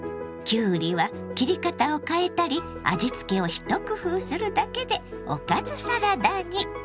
きゅうりは切り方を変えたり味付けを一工夫するだけでおかずサラダに！